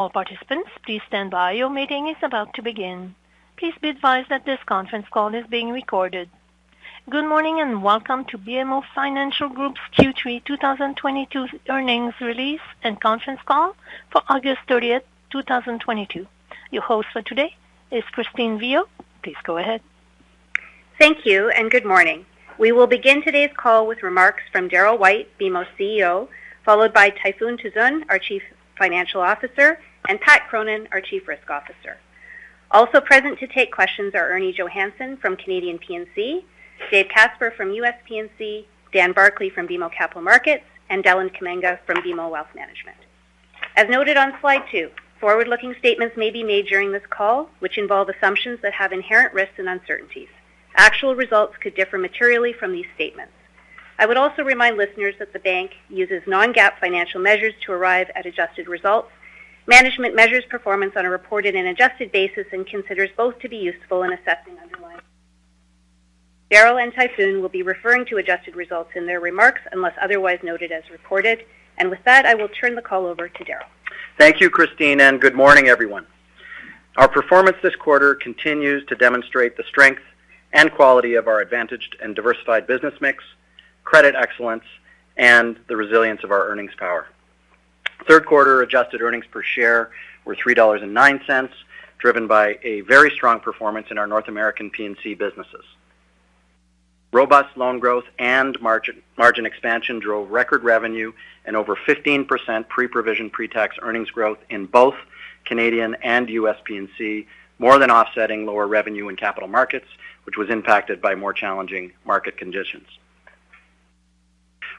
All participants, please stand by. Your meeting is about to begin. Please be advised that this conference call is being recorded. Good morning and welcome to BMO Financial Group's Q3 2022 Earnings Release and conference call for August 30th, 2022. Your host for today is Christine Viau. Please go ahead. Thank you and good morning. We will begin today's call with remarks from Darryl White, BMO's CEO, followed by Tayfun Tuzun, our Chief Financial Officer, and Patrick Cronin, our Chief Risk Officer. Also present to take questions are Erminia Johannson from Canadian P&C, David Casper from U.S. P&C, Dan Barclay from BMO Capital Markets, and Deland Kamanga from BMO Wealth Management. As noted on slide 2, forward-looking statements may be made during this call, which involve assumptions that have inherent risks and uncertainties. Actual results could differ materially from these statements. I would also remind listeners that the bank uses non-GAAP financial measures to arrive at adjusted results. Management measures performance on a reported and adjusted basis and considers both to be useful in assessing underlying. Darryl and Tayfun will be referring to adjusted results in their remarks unless otherwise noted as reported. With that, I will turn the call over to Darryl. Thank you, Christine, and good morning, everyone. Our performance this quarter continues to demonstrate the strength and quality of our advantaged and diversified business mix, credit excellence, and the resilience of our earnings power. Third quarter adjusted earnings per share were 3.09 dollars, driven by a very strong performance in our North American P&C businesses. Robust loan growth and margin expansion drove record revenue and over 15% pre-provision pre-tax earnings growth in both Canadian and U.S. P&C, more than offsetting lower revenue in capital markets, which was impacted by more challenging market conditions.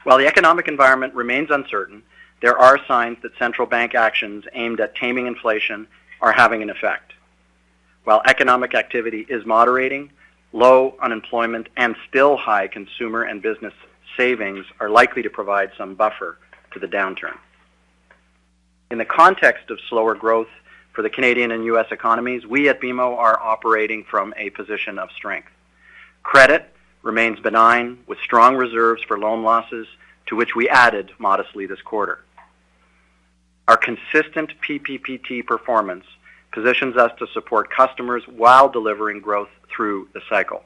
While the economic environment remains uncertain, there are signs that central bank actions aimed at taming inflation are having an effect. While economic activity is moderating, low unemployment and still high consumer and business savings are likely to provide some buffer to the downturn. In the context of slower growth for the Canadian and U.S. economies, we at BMO are operating from a position of strength. Credit remains benign, with strong reserves for loan losses, to which we added modestly this quarter. Our consistent PPPT performance positions us to support customers while delivering growth through the cycle.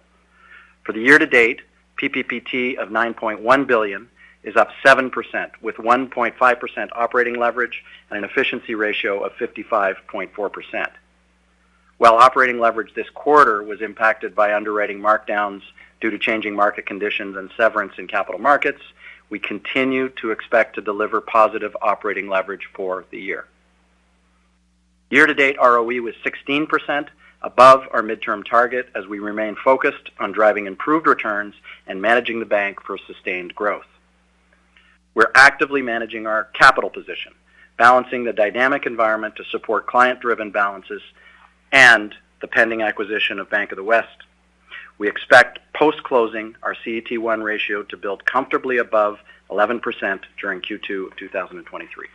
For the year-to-date, PPPT of 9.1 billion is up 7%, with 1.5% operating leverage and an efficiency ratio of 55.4%. While operating leverage this quarter was impacted by underwriting markdowns due to changing market conditions and severance in capital markets, we continue to expect to deliver positive operating leverage for the year. Year-to-date, ROE was 16% above our midterm target as we remain focused on driving improved returns and managing the bank for sustained growth. We're actively managing our capital position, balancing the dynamic environment to support client-driven balances and the pending acquisition of Bank of the West. We expect post-closing our CET1 ratio to build comfortably above 11% during Q2 2023.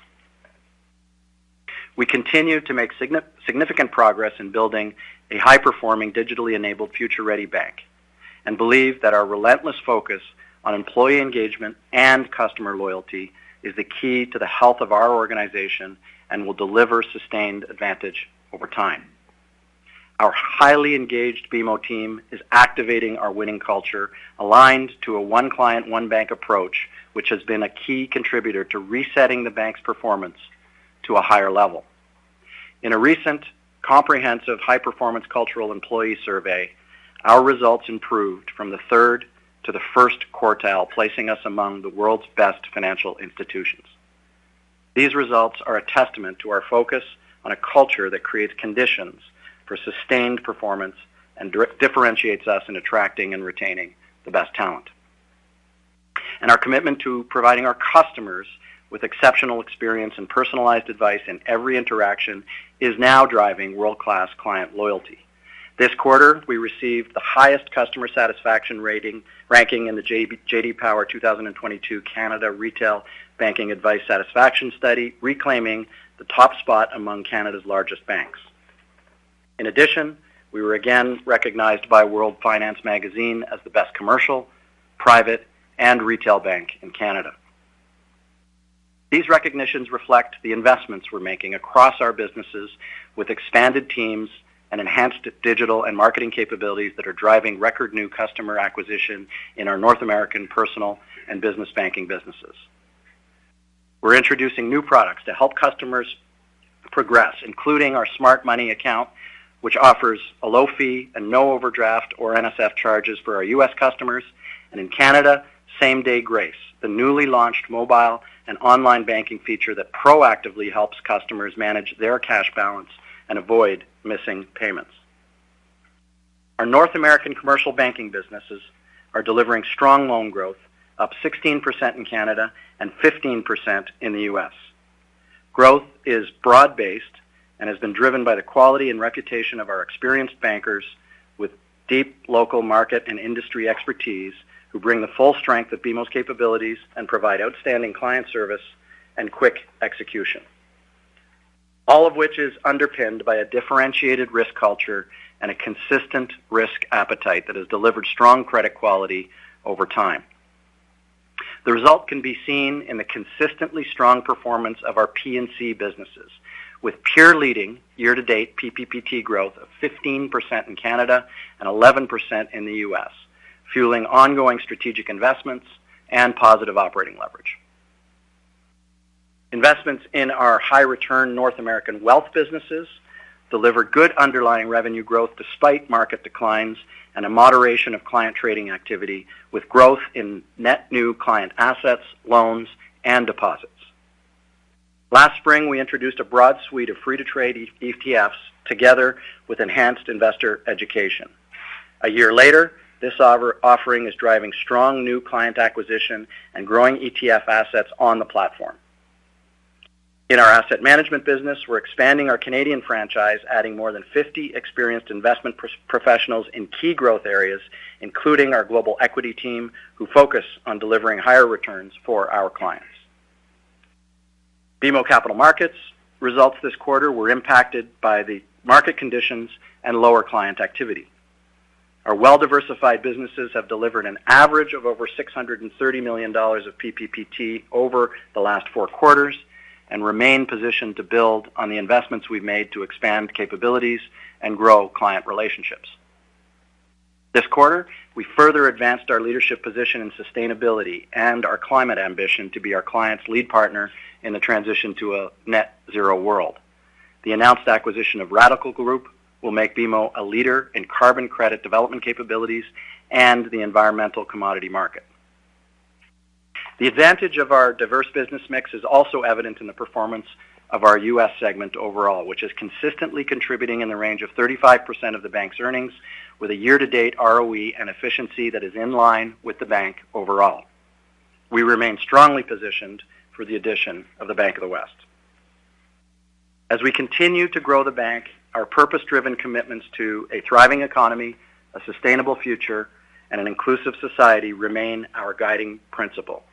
We continue to make significant progress in building a high-performing, digitally enabled, future-ready bank and believe that our relentless focus on employee engagement and customer loyalty is the key to the health of our organization and will deliver sustained advantage over time. Our highly engaged BMO team is activating our winning culture aligned to a one client, one bank approach, which has been a key contributor to resetting the bank's performance to a higher level. In a recent comprehensive high-performance cultural employee survey, our results improved from the third to the first quartile, placing us among the world's best financial institutions. These results are a testament to our focus on a culture that creates conditions for sustained performance and differentiates us in attracting and retaining the best talent. Our commitment to providing our customers with exceptional experience and personalized advice in every interaction is now driving world-class client loyalty. This quarter, we received the highest customer satisfaction rating, ranking in the J.D. Power 2022 Canada Retail Banking Advice Satisfaction Study, reclaiming the top spot among Canada's largest banks. In addition, we were again recognized by World Finance Magazine as the best commercial, private, and retail bank in Canada. These recognitions reflect the investments we're making across our businesses with expanded teams and enhanced digital and marketing capabilities that are driving record new customer acquisition in our North American personal and business banking businesses. We're introducing new products to help customers progress, including our Smart Money account, which offers a low fee and no overdraft or NSF charges for our U.S. customers. In Canada, Same Day Grace, the newly launched mobile and online banking feature that proactively helps customers manage their cash balance and avoid missing payments. Our North American commercial banking businesses are delivering strong loan growth, up 16% in Canada and 15% in the U.S. Growth is broad-based and has been driven by the quality and reputation of our experienced bankers with deep local market and industry expertise, who bring the full strength of BMO's capabilities and provide outstanding client service and quick execution. All of which is underpinned by a differentiated risk culture and a consistent risk appetite that has delivered strong credit quality over time. The result can be seen in the consistently strong performance of our P&C businesses, with peer-leading year-to-date PPPT growth of 15% in Canada and 11% in the U.S., fueling ongoing strategic investments and positive operating leverage. Investments in our high return North American wealth businesses deliver good underlying revenue growth despite market declines and a moderation of client trading activity with growth in net new client assets, loans, and deposits. Last spring, we introduced a broad suite of free-to-trade ETFs together with enhanced investor education. A year later, this offering is driving strong new client acquisition and growing ETF assets on the platform. In our asset management business, we're expanding our Canadian franchise, adding more than 50 experienced investment professionals in key growth areas, including our global equity team, who focus on delivering higher returns for our clients. BMO Capital Markets results this quarter were impacted by the market conditions and lower client activity. Our well-diversified businesses have delivered an average of over 630 million dollars of PPPT over the last four quarters and remain positioned to build on the investments we've made to expand capabilities and grow client relationships. This quarter, we further advanced our leadership position in sustainability and our climate ambition to be our clients' lead partner in the transition to a net zero world. The announced acquisition of Radicle Group will make BMO a leader in carbon credit development capabilities and the environmental commodity market. The advantage of our diverse business mix is also evident in the performance of our U.S. segment overall, which is consistently contributing in the range of 35% of the bank's earnings with a year-to-date ROE and efficiency that is in line with the bank overall. We remain strongly positioned for the addition of the Bank of the West. As we continue to grow the bank, our purpose-driven commitments to a thriving economy, a sustainable future, and an inclusive society remain our guiding principle.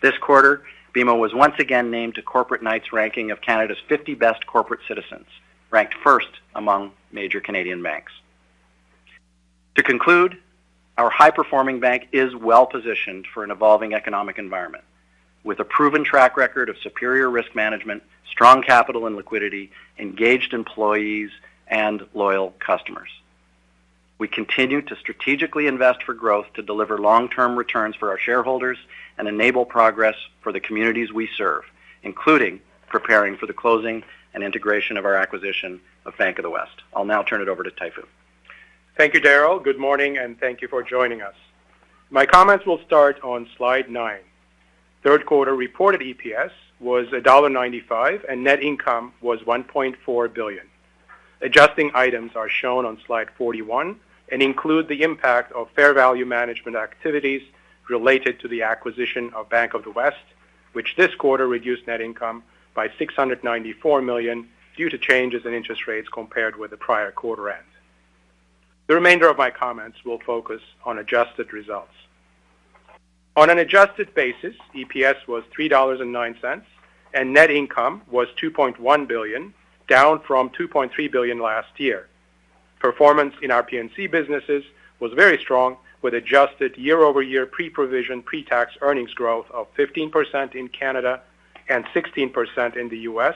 This quarter, BMO was once again named to Corporate Knights ranking of Canada's 50 best corporate citizens, ranked first among major Canadian banks. To conclude, our high-performing bank is well-positioned for an evolving economic environment with a proven track record of superior risk management, strong capital and liquidity, engaged employees, and loyal customers. We continue to strategically invest for growth to deliver long-term returns for our shareholders and enable progress for the communities we serve, including preparing for the closing and integration of our acquisition of Bank of the West. I'll now turn it over to Tayfun. Thank you, Darryl. Good morning, and thank you for joining us. My comments will start on slide 9. Third quarter reported EPS was dollar 1.95, and net income was 1.4 billion. Adjusting items are shown on slide 41 and include the impact of fair value management activities related to the acquisition of Bank of the West, which this quarter reduced net income by 694 million due to changes in interest rates compared with the prior quarter end. The remainder of my comments will focus on adjusted results. On an adjusted basis, EPS was 3.09 dollars, and net income was 2.1 billion, down from 2.3 billion last year. Performance in our P&C businesses was very strong with adjusted year-over-year pre-provision, pre-tax earnings growth of 15% in Canada and 16% in the U.S.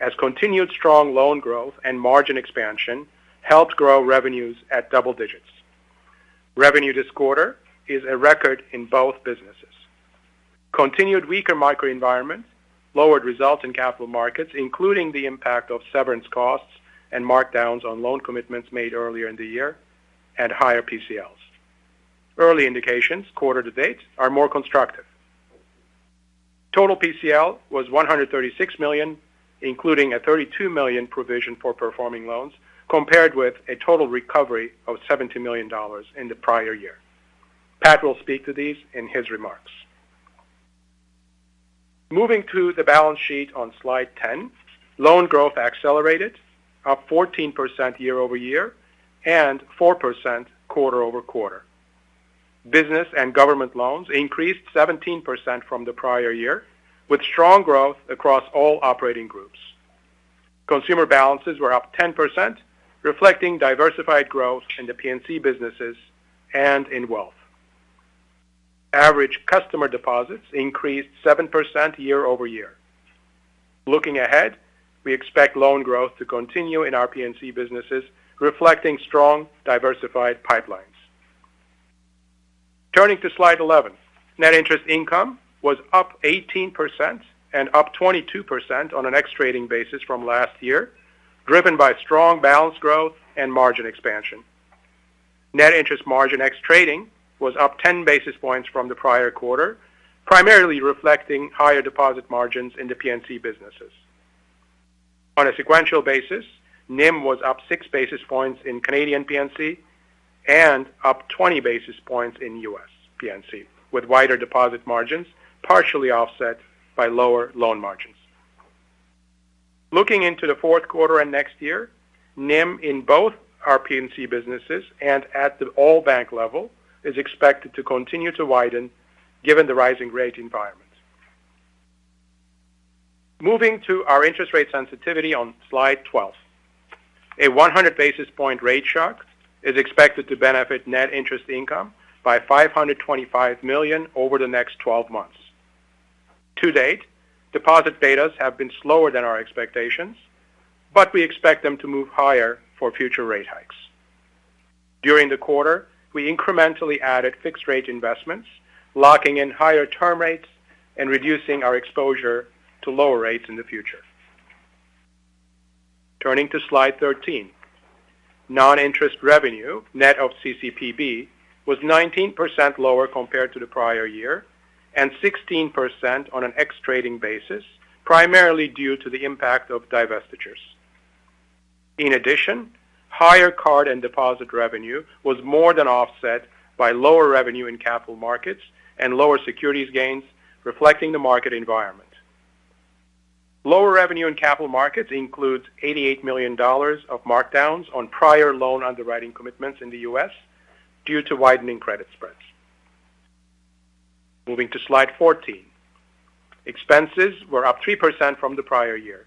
as continued strong loan growth and margin expansion helped grow revenues at double digits. Revenue this quarter is a record in both businesses. Continued weaker macroenvironment lowered results in capital markets, including the impact of severance costs and markdowns on loan commitments made earlier in the year at higher PCLs. Early indications quarter-to-date are more constructive. Total PCL was 136 million, including a 32 million provision for performing loans, compared with a total recovery of 70 million dollars in the prior year. Pat will speak to these in his remarks. Moving to the balance sheet on slide 10, loan growth accelerated up 14% year-over-year and 4% quarter-over-quarter. Business and government loans increased 17% from the prior year, with strong growth across all operating groups. Consumer balances were up 10%, reflecting diversified growth in the P&C businesses and in wealth. Average customer deposits increased 7% year-over-year. Looking ahead, we expect loan growth to continue in our P&C businesses, reflecting strong diversified pipelines. Turning to slide 11, net interest income was up 18% and up 22% on an ex-trading basis from last year, driven by strong balance growth and margin expansion. Net interest margin ex trading was up 10 basis points from the prior quarter, primarily reflecting higher deposit margins in the P&C businesses. On a sequential basis, NIM was up 6 basis points in Canadian P&C and up 20 basis points in U.S. P&C, with wider deposit margins partially offset by lower loan margins. Looking into the fourth quarter and next year, NIM in both our P&C businesses and at the all bank level is expected to continue to widen given the rising rate environment. Moving to our interest rate sensitivity on slide 12. A 100 basis point rate shock is expected to benefit net interest income by 525 million over the next 12 months. To date, deposit betas have been slower than our expectations, but we expect them to move higher for future rate hikes. During the quarter, we incrementally added fixed rate investments, locking in higher term rates and reducing our exposure to lower rates in the future. Turning to slide 13. Non-interest revenue net of CCPB was 19% lower compared to the prior year and 16% on an ex-trading basis, primarily due to the impact of divestitures. In addition, higher card and deposit revenue was more than offset by lower revenue in capital markets and lower securities gains reflecting the market environment. Lower revenue in capital markets includes 88 million dollars of markdowns on prior loan underwriting commitments in the U.S. due to widening credit spreads. Moving to slide 14. Expenses were up 3% from the prior year.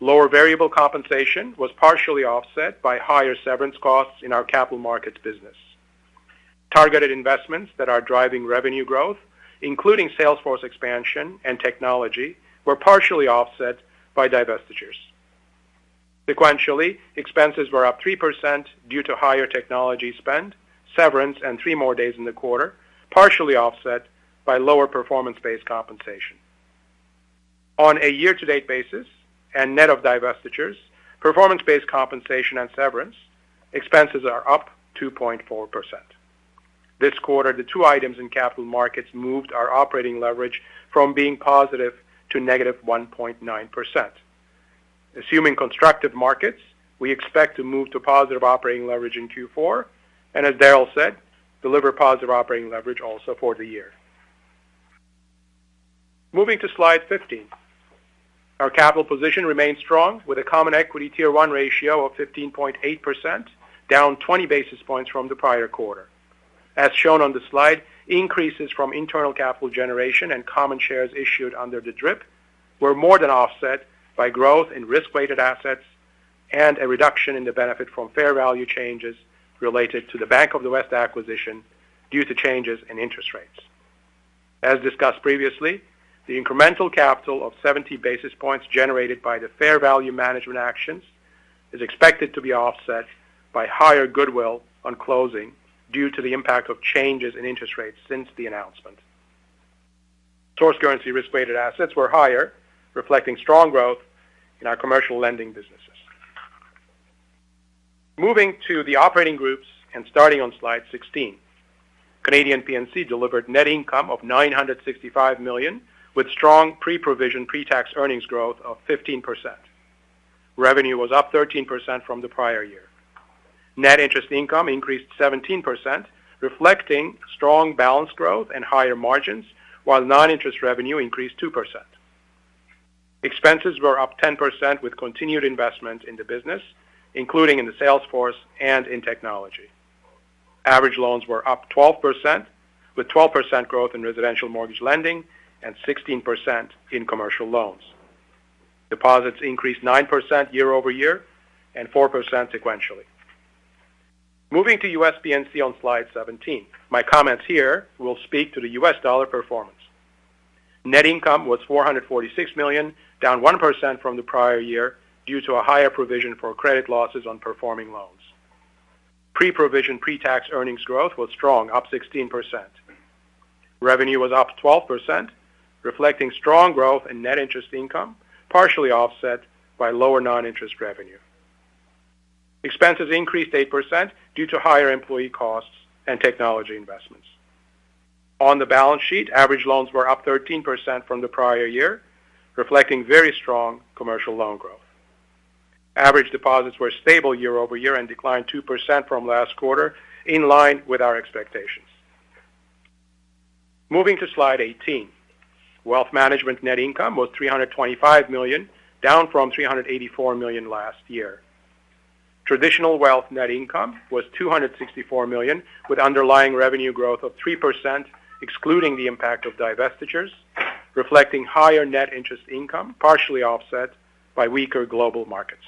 Lower variable compensation was partially offset by higher severance costs in our capital markets business. Targeted investments that are driving revenue growth, including sales force expansion and technology, were partially offset by divestitures. Sequentially, expenses were up 3% due to higher technology spend, severance, and 3 more days in the quarter, partially offset by lower performance-based compensation. On a year-to-date basis and net of divestitures, performance-based compensation and severance, expenses are up 2.4%. This quarter, the two items in capital markets moved our operating leverage from being positive to -1.9%. Assuming constructive markets, we expect to move to positive operating leverage in Q4 and as Darryl said, deliver positive operating leverage also for the year. Moving to slide 15. Our capital position remains strong with a common equity tier one ratio of 15.8%, down 20 basis points from the prior quarter. As shown on the slide, increases from internal capital generation and common shares issued under the DRIP were more than offset by growth in risk-weighted assets and a reduction in the benefit from fair value changes related to the Bank of the West acquisition due to changes in interest rates. As discussed previously, the incremental capital of 70 basis points generated by the fair value management actions is expected to be offset by higher goodwill on closing due to the impact of changes in interest rates since the announcement. Source currency risk-weighted assets were higher, reflecting strong growth in our commercial lending businesses. Moving to the operating groups and starting on slide 16. Canadian P&C delivered net income of 965 million, with strong pre-provision, pre-tax earnings growth of 15%. Revenue was up 13% from the prior year. Net interest income increased 17%, reflecting strong balance growth and higher margins, while non-interest revenue increased 2%. Expenses were up 10% with continued investment in the business, including in the sales force and in technology. Average loans were up 12%, with 12% growth in residential mortgage lending and 16% in commercial loans. Deposits increased 9% year over year and 4% sequentially. Moving to U.S. P&C on slide 17. My comments here will speak to the U.S. dollar performance. Net income was $446 million, down 1% from the prior year due to a higher provision for credit losses on performing loans. Pre-provision, pre-tax earnings growth was strong, up 16%. Revenue was up 12%, reflecting strong growth in net interest income, partially offset by lower non-interest revenue. Expenses increased 8% due to higher employee costs and technology investments. On the balance sheet, average loans were up 13% from the prior year, reflecting very strong commercial loan growth. Average deposits were stable year over year and declined 2% from last quarter in line with our expectations. Moving to slide 18. Wealth Management net income was 325 million, down from 384 million last year. Traditional Wealth net income was 264 million with underlying revenue growth of 3%, excluding the impact of divestitures, reflecting higher net interest income, partially offset by weaker global markets.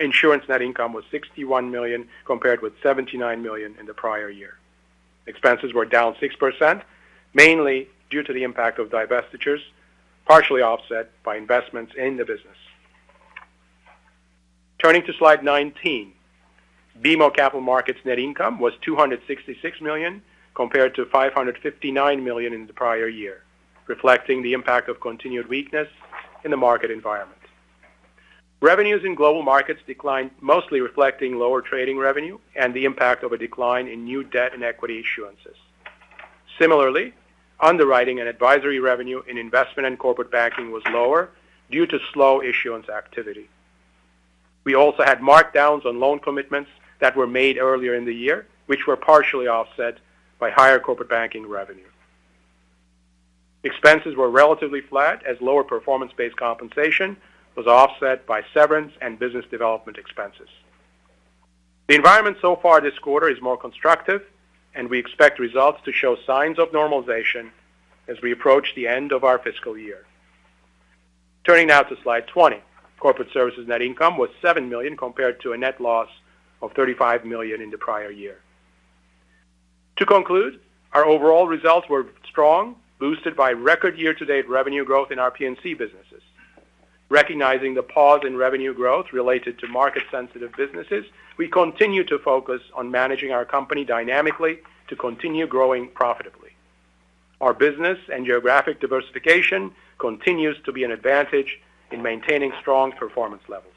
Insurance net income was 61 million compared with 79 million in the prior year. Expenses were down 6%, mainly due to the impact of divestitures, partially offset by investments in the business. Turning to slide 19. BMO Capital Markets net income was 266 million compared to 559 million in the prior year, reflecting the impact of continued weakness in the market environment. Revenues in global markets declined, mostly reflecting lower trading revenue and the impact of a decline in new debt and equity issuances. Similarly, underwriting and advisory revenue in investment and corporate banking was lower due to slow issuance activity. We also had markdowns on loan commitments that were made earlier in the year, which were partially offset by higher corporate banking revenue. Expenses were relatively flat as lower performance-based compensation was offset by severance and business development expenses. The environment so far this quarter is more constructive, and we expect results to show signs of normalization as we approach the end of our fiscal year. Turning now to slide 20. Corporate services net income was 7 million compared to a net loss of 35 million in the prior year. To conclude, our overall results were strong, boosted by record year-to-date revenue growth in our P&C businesses. Recognizing the pause in revenue growth related to market-sensitive businesses, we continue to focus on managing our company dynamically to continue growing profitably. Our business and geographic diversification continues to be an advantage in maintaining strong performance levels.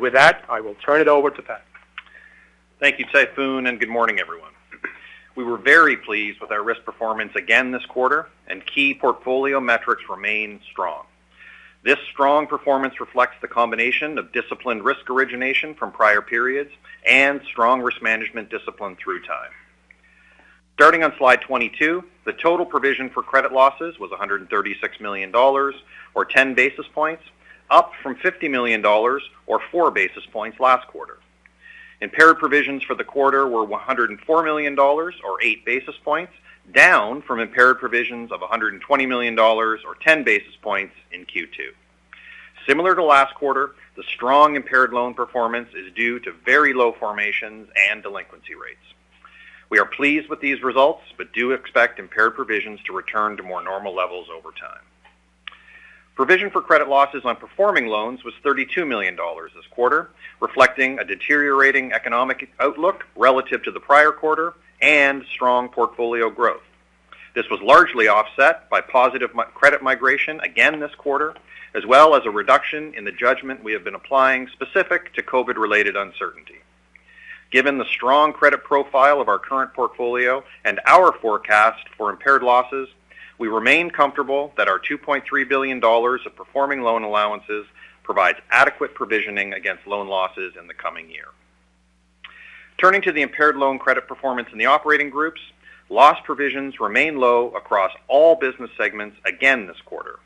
With that, I will turn it over to Pat. Thank you, Tayfun, and good morning, everyone. We were very pleased with our risk performance again this quarter, and key portfolio metrics remain strong. This strong performance reflects the combination of disciplined risk origination from prior periods and strong risk management discipline through time. Starting on slide 22, the total provision for credit losses was 136 million dollars or 10 basis points, up from 50 million dollars or four basis points last quarter. Impaired provisions for the quarter were 104 million dollars or eight basis points, down from impaired provisions of 120 million dollars or 10 basis points in Q2. Similar to last quarter, the strong impaired loan performance is due to very low formations and delinquency rates. We are pleased with these results, but do expect impaired provisions to return to more normal levels over time. Provision for credit losses on performing loans was 32 million dollars this quarter, reflecting a deteriorating economic outlook relative to the prior quarter and strong portfolio growth. This was largely offset by positive credit migration again this quarter, as well as a reduction in the judgment we have been applying specific to COVID-related uncertainty. Given the strong credit profile of our current portfolio and our forecast for impaired losses, we remain comfortable that our 2.3 billion dollars of performing loan allowances provides adequate provisioning against loan losses in the coming year. Turning to the impaired loan credit performance in the operating groups, loss provisions remain low across all business segments again this quarter.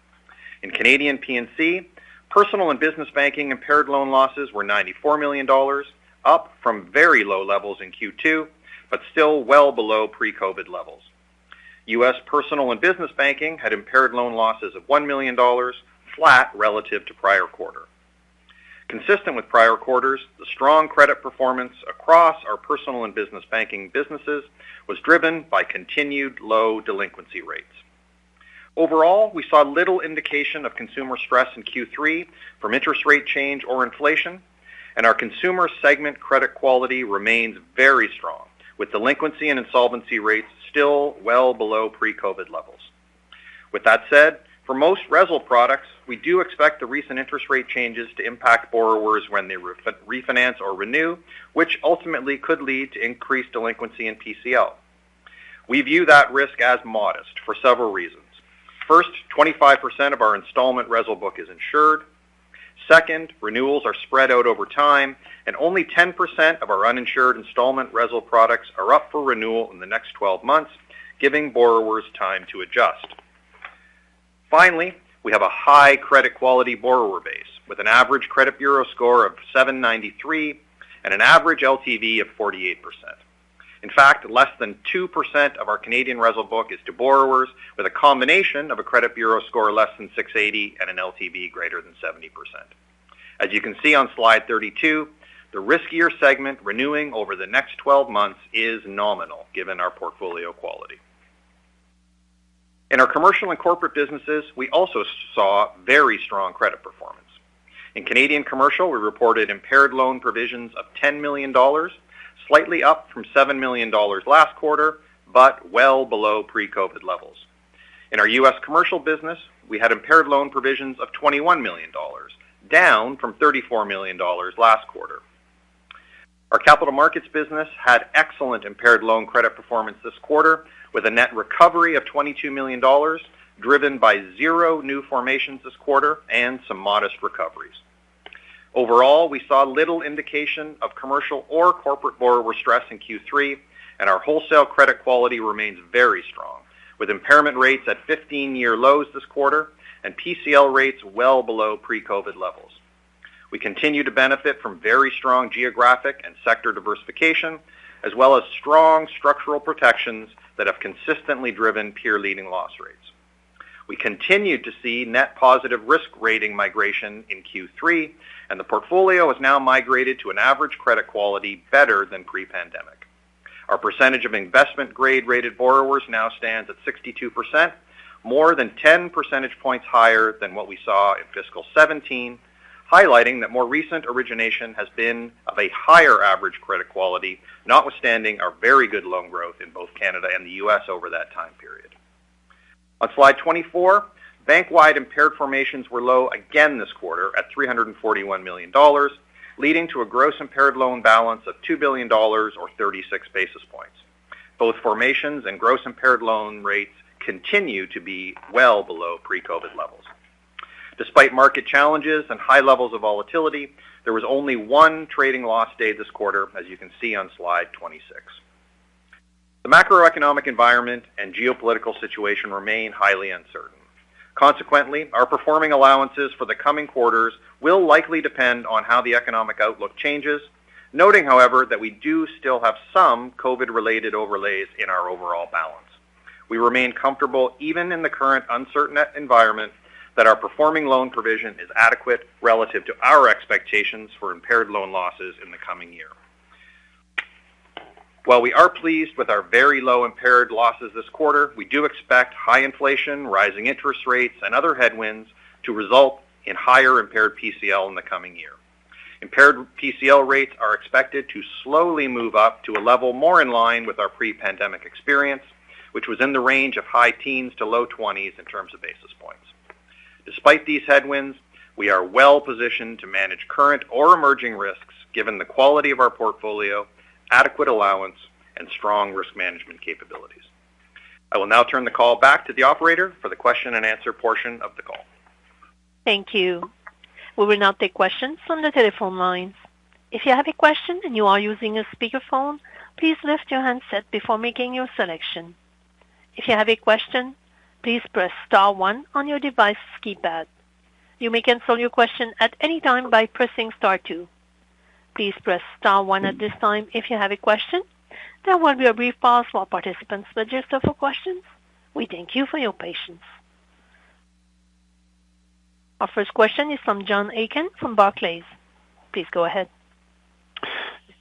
In Canadian P&C, personal and business banking impaired loan losses were 94 million dollars, up from very low levels in Q2, but still well below pre-COVID levels. U.S. personal and business banking had impaired loan losses of $1 million, flat relative to prior quarter. Consistent with prior quarters, the strong credit performance across our personal and business banking businesses was driven by continued low delinquency rates. Overall, we saw little indication of consumer stress in Q3 from interest rate change or inflation, and our consumer segment credit quality remains very strong, with delinquency and insolvency rates still well below pre-COVID levels. With that said, for most RESL products, we do expect the recent interest rate changes to impact borrowers when they refinance or renew, which ultimately could lead to increased delinquency in PCL. We view that risk as modest for several reasons. First, 25% of our installment RESL book is insured. Second, renewals are spread out over time, and only 10% of our uninsured installment RESL products are up for renewal in the next 12 months, giving borrowers time to adjust. Finally, we have a high credit quality borrower base with an average credit bureau score of 793 and an average LTV of 48%. In fact, less than 2% of our Canadian RESL book is to borrowers with a combination of a credit bureau score less than 680 and an LTV greater than 70%. As you can see on slide 32, the riskier segment renewing over the next 12 months is nominal given our portfolio quality. In our commercial and corporate businesses, we also saw very strong credit performance. In Canadian commercial, we reported impaired loan provisions of 10 million dollars, slightly up from 7 million dollars last quarter, but well below pre-COVID levels. In our U.S. commercial business, we had impaired loan provisions of $21 million, down from $34 million last quarter. Our capital markets business had excellent impaired loan credit performance this quarter, with a net recovery of $22 million, driven by zero new formations this quarter and some modest recoveries. Overall, we saw little indication of commercial or corporate borrower stress in Q3, and our wholesale credit quality remains very strong, with impairment rates at 15-year lows this quarter and PCL rates well below pre-COVID levels. We continue to benefit from very strong geographic and sector diversification, as well as strong structural protections that have consistently driven peer leading loss rates. We continued to see net positive risk rating migration in Q3, and the portfolio has now migrated to an average credit quality better than pre-pandemic. Our percentage of investment grade rated borrowers now stands at 62%, more than 10 percentage points higher than what we saw in fiscal 2017, highlighting that more recent origination has been of a higher average credit quality, notwithstanding our very good loan growth in both Canada and the U.S. over that time period. On slide 24, bank-wide impaired formations were low again this quarter at 341 million dollars, leading to a gross impaired loan balance of 2 billion dollars or 36 basis points. Both formations and gross impaired loan rates continue to be well below pre-COVID levels. Despite market challenges and high levels of volatility, there was only one trading loss day this quarter, as you can see on slide 26. The macroeconomic environment and geopolitical situation remain highly uncertain. Consequently, our performing allowances for the coming quarters will likely depend on how the economic outlook changes. Noting, however, that we do still have some COVID-related overlays in our overall balance. We remain comfortable even in the current uncertain environment that our performing loan provision is adequate relative to our expectations for impaired loan losses in the coming year. While we are pleased with our very low impaired losses this quarter, we do expect high inflation, rising interest rates, and other headwinds to result in higher impaired PCL in the coming year. Impaired PCL rates are expected to slowly move up to a level more in line with our pre-pandemic experience, which was in the range of high teens to low 20s in terms of basis points. Despite these headwinds, we are well positioned to manage current or emerging risks given the quality of our portfolio, adequate allowance, and strong risk management capabilities. I will now turn the call back to the operator for the question-and-answer portion of the call. Thank you. We will now take questions from the telephone lines. If you have a question and you are using a speakerphone, please lift your handset before making your selection. If you have a question, please press star one on your device keypad. You may cancel your question at any time by pressing star two. Please press star one at this time if you have a question. There will be a brief pause while participants register for questions. We thank you for your patience. Our first question is from John Aiken from Barclays. Please go ahead.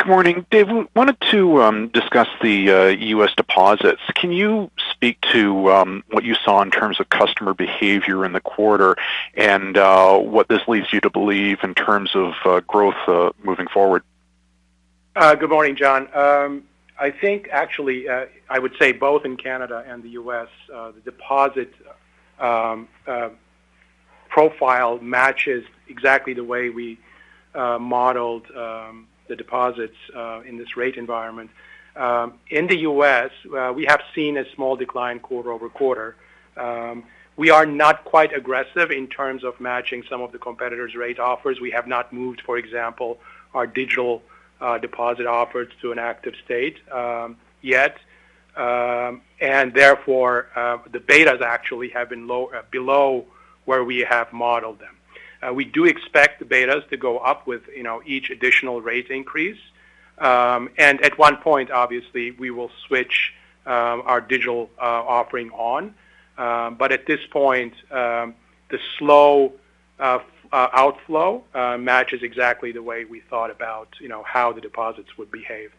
Good morning. Dave, we wanted to discuss the U.S. deposits. Can you speak to what you saw in terms of customer behavior in the quarter and what this leads you to believe in terms of growth moving forward? Good morning, John. I think actually, I would say both in Canada and the U.S., the deposit profile matches exactly the way we modeled the deposits in this rate environment. In the U.S., we have seen a small decline quarter-over-quarter. We are not quite aggressive in terms of matching some of the competitors' rate offers. We have not moved, for example, our digital deposit offers to an active state yet. Therefore, the betas actually have been low, below where we have modeled them. We do expect the betas to go up with, you know, each additional rate increase. At one point, obviously, we will switch our digital offering on. At this point, the slow outflow matches exactly the way we thought about, you know, how the deposits would behave.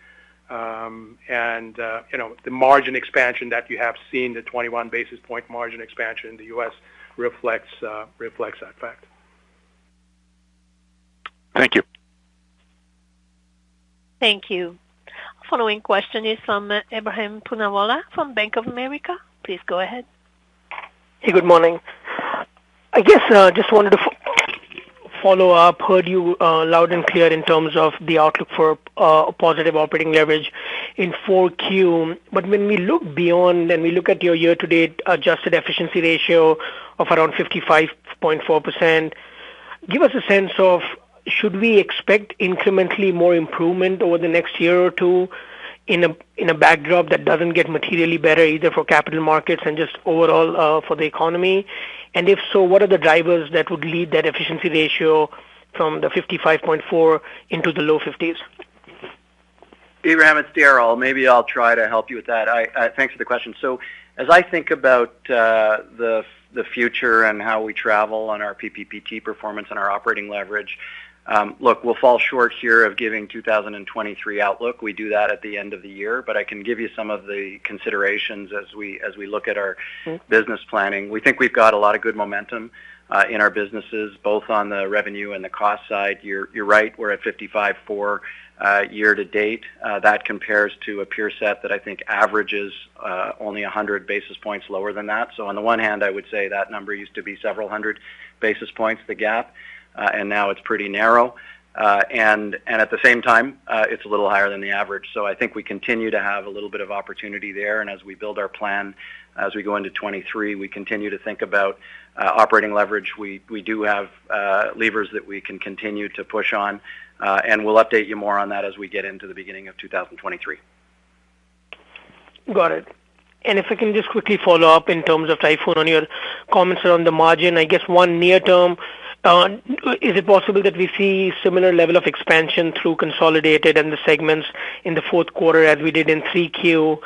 You know, the margin expansion that you have seen, the 21 basis point margin expansion in the U.S. reflects that fact. Thank you. Thank you. Following question is from Ebrahim Poonawala from Bank of America. Please go ahead. Hey, good morning. I guess just wanted to follow up. Heard you loud and clear in terms of the outlook for positive operating leverage in 4Q. But when we look beyond and we look at your year-to-date adjusted efficiency ratio of around 55.4%, give us a sense of should we expect incrementally more improvement over the next year or two in a backdrop that doesn't get materially better either for capital markets and just overall for the economy? If so, what are the drivers that would lead that efficiency ratio from the 55.4% into the low 50s? Ebrahim, it's Darryl. Maybe I'll try to help you with that. Thanks for the question. As I think about the future and how we travel on our PPPT performance and our operating leverage, look, we'll fall short here of giving 2023 outlook. We do that at the end of the year, but I can give you some of the considerations as we look at our business planning. We think we've got a lot of good momentum in our businesses, both on the revenue and the cost side. You're right, we're at 55.4% year-to-date. That compares to a peer set that I think averages only 100 basis points lower than that. On the one hand, I would say that number used to be several hundred basis points, the gap, and now it's pretty narrow. And at the same time, it's a little higher than the average. I think we continue to have a little bit of opportunity there. As we build our plan, as we go into 2023, we continue to think about operating leverage. We do have levers that we can continue to push on, and we'll update you more on that as we get into the beginning of 2023. Got it. If I can just quickly follow up in terms of Tayfun on your comments around the margin. I guess one near term, is it possible that we see similar level of expansion through consolidated and the segments in the fourth quarter as we did in 3Q?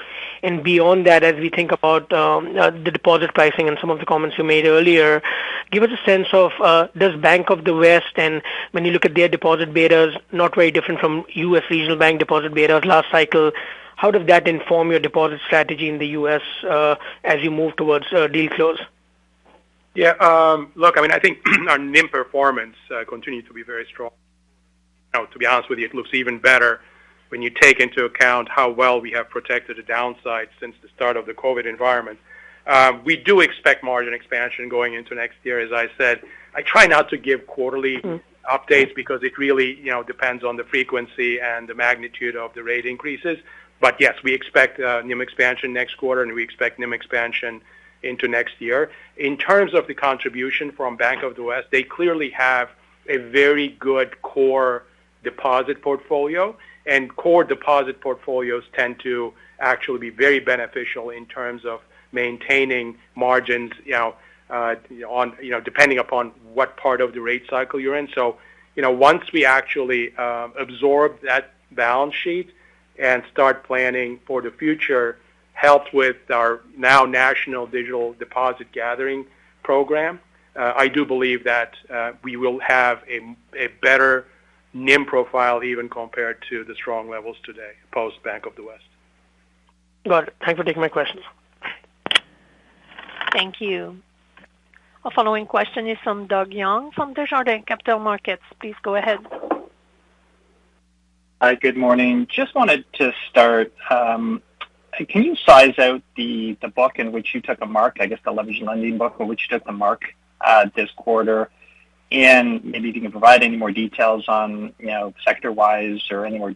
Beyond that, as we think about, the deposit pricing and some of the comments you made earlier, give us a sense of, does Bank of the West and when you look at their deposit betas not very different from U.S. regional bank deposit betas last cycle, how does that inform your deposit strategy in the U.S., as you move towards, deal close? Yeah. Look, I mean, I think our NIM performance continues to be very strong. Now, to be honest with you, it looks even better when you take into account how well we have protected the downside since the start of the COVID environment. We do expect margin expansion going into next year. As I said, I try not to give quarterly updates because it really, you know, depends on the frequency and the magnitude of the rate increases. Yes, we expect NIM expansion next quarter, and we expect NIM expansion into next year. In terms of the contribution from Bank of the West, they clearly have a very good core Deposit portfolio and core deposit portfolios tend to actually be very beneficial in terms of maintaining margins, you know, on, you know, depending upon what part of the rate cycle you're in. You know, once we actually absorb that balance sheet and start planning for the future, helped with our now national digital deposit gathering program, I do believe that we will have a better NIM profile even compared to the strong levels today, post Bank of the West. Got it. Thanks for taking my questions. Thank you. Our following question is from Doug Young from Desjardins Capital Markets. Please go ahead. Hi, good morning. Just wanted to start, can you size out the book in which you took a mark, I guess, the leveraged lending book on which you took a mark, this quarter? Maybe if you can provide any more details on sector-wise or any more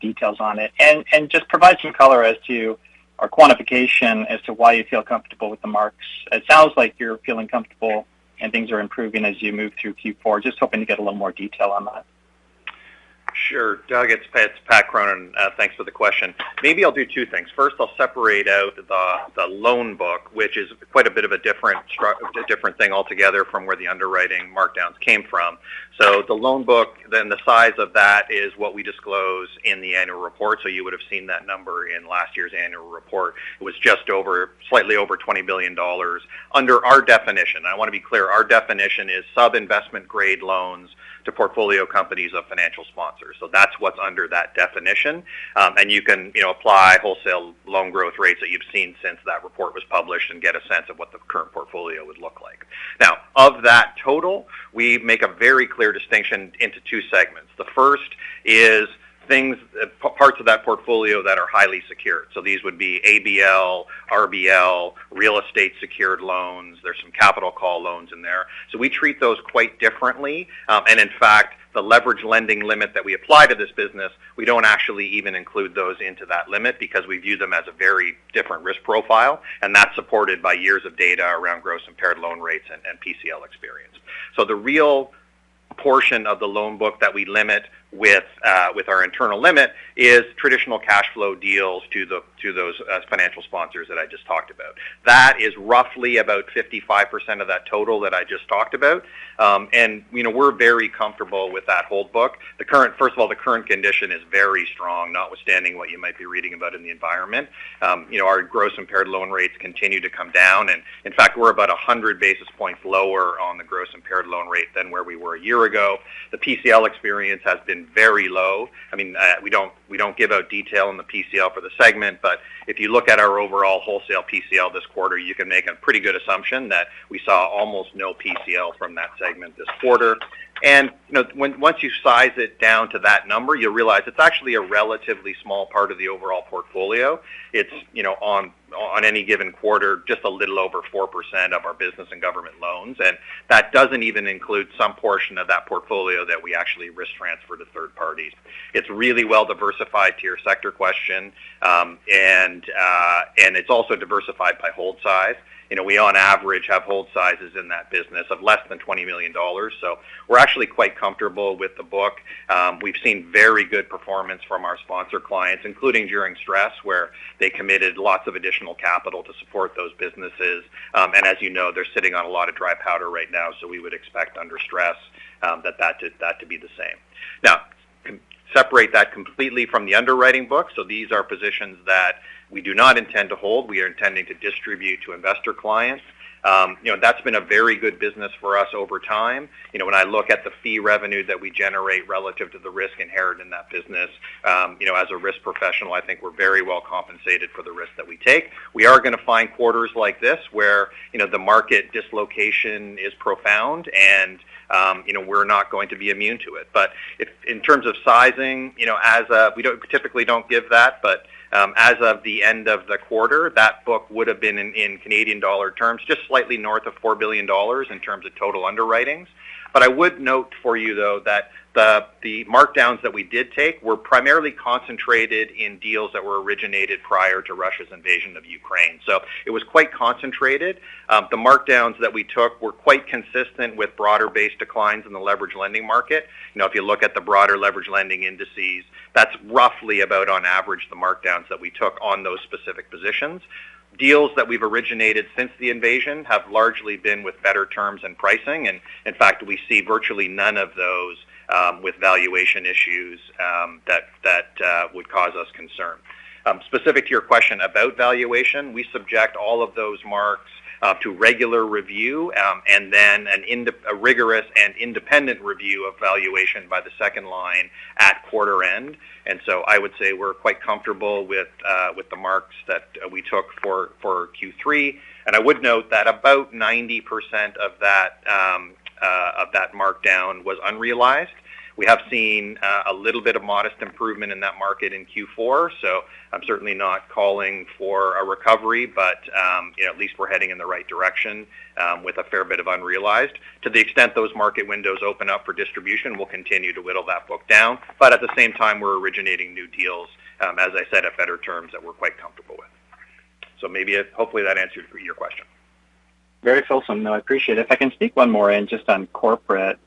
details on it. Just provide some color as to or quantification as to why you feel comfortable with the marks. It sounds like you're feeling comfortable and things are improving as you move through Q4. Just hoping to get a little more detail on that. Sure. Doug, it's Pat Cronin. Thanks for the question. Maybe I'll do two things. First, I'll separate out the loan book, which is quite a bit of a different thing altogether from where the underwriting markdowns came from. The loan book, the size of that is what we disclose in the annual report. You would have seen that number in last year's annual report. It was just over, slightly over 20 billion dollars. Under our definition, I wanna be clear, our definition is sub-investment grade loans to portfolio companies of financial sponsors. That's what's under that definition. You can, you know, apply wholesale loan growth rates that you've seen since that report was published and get a sense of what the current portfolio would look like. Now, of that total, we make a very clear distinction into two segments. The first is things, parts of that portfolio that are highly secured. These would be ABL, RBL, real estate secured loans. There's some capital call loans in there. We treat those quite differently. In fact, the leverage lending limit that we apply to this business, we don't actually even include those into that limit because we view them as a very different risk profile, and that's supported by years of data around gross impaired loan rates and PCL experience. The real portion of the loan book that we limit with our internal limit is traditional cash flow deals to those financial sponsors that I just talked about. That is roughly about 55% of that total that I just talked about. You know, we're very comfortable with that whole book. The current condition is very strong, notwithstanding what you might be reading about in the environment. You know, our gross impaired loan rates continue to come down. In fact, we're about 100 basis points lower on the gross impaired loan rate than where we were a year ago. The PCL experience has been very low. I mean, we don't give out detail on the PCL for the segment, but if you look at our overall wholesale PCL this quarter, you can make a pretty good assumption that we saw almost no PCL from that segment this quarter. You know, once you size it down to that number, you realize it's actually a relatively small part of the overall portfolio. It's on any given quarter, just a little over 4% of our business and government loans. That doesn't even include some portion of that portfolio that we actually risk transfer to third parties. It's really well diversified to your sector question. It's also diversified by hold size. We on average have hold sizes in that business of less than 20 million dollars. So we're actually quite comfortable with the book. We've seen very good performance from our sponsor clients, including during stress, where they committed lots of additional capital to support those businesses. As you know, they're sitting on a lot of dry powder right now, so we would expect under stress, that to be the same. Now separate that completely from the underwriting book. These are positions that we do not intend to hold. We are intending to distribute to investor clients. You know, that's been a very good business for us over time. You know, when I look at the fee revenue that we generate relative to the risk inherent in that business, you know, as a risk professional, I think we're very well compensated for the risk that we take. We are gonna find quarters like this where, you know, the market dislocation is profound and, you know, we're not going to be immune to it. If in terms of sizing, you know, we typically don't give that, but as of the end of the quarter, that book would have been in Canadian dollar terms, just slightly north of 4 billion dollars in terms of total underwriting. I would note for you, though, that the markdowns that we did take were primarily concentrated in deals that were originated prior to Russia's invasion of Ukraine. It was quite concentrated. The markdowns that we took were quite consistent with broader base declines in the leveraged lending market. You know, if you look at the broader leveraged lending indices, that's roughly about on average, the markdowns that we took on those specific positions. Deals that we've originated since the invasion have largely been with better terms and pricing, and in fact, we see virtually none of those with valuation issues that would cause us concern. Specific to your question about valuation, we subject all of those marks to regular review, and then a rigorous and independent review of valuation by the second line at quarter end. I would say we're quite comfortable with the marks that we took for Q3. I would note that about 90% of that markdown was unrealized. We have seen a little bit of modest improvement in that market in Q4, so I'm certainly not calling for a recovery. At least we're heading in the right direction with a fair bit of unrealized. To the extent those market windows open up for distribution, we'll continue to whittle that book down. At the same time, we're originating new deals, as I said, at better terms that we're quite comfortable with. Maybe, hopefully, that answers your question. Very fulsome, no, I appreciate it. If I can sneak one more in just on corporate.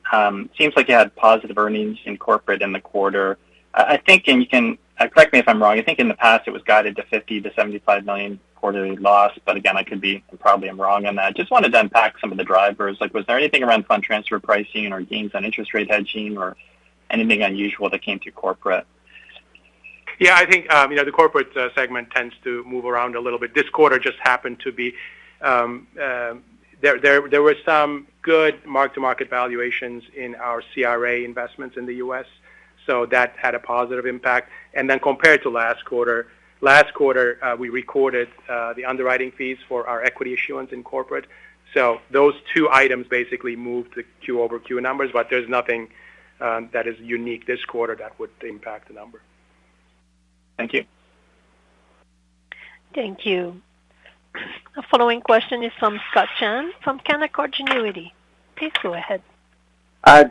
Seems like you had positive earnings in corporate in the quarter. I think, and you can correct me if I'm wrong. I think in the past it was guided to 50 million-75 million quarterly loss. But again, I could be, probably I'm wrong on that. Just wanted to unpack some of the drivers. Like, was there anything around fund transfer pricing or gains on interest rate hedging or anything unusual that came through corporate? Yeah, I think the corporate segment tends to move around a little bit. This quarter just happened to be there were some good mark-to-market valuations in our CRA investments in the U.S., so that had a positive impact. Compared to last quarter, we recorded the underwriting fees for our equity issuance in corporate. Those two items basically moved Q-over-Q numbers, but there's nothing that is unique this quarter that would impact the number. Thank you. Thank you. The following question is from Scott Chan from Canaccord Genuity. Please go ahead.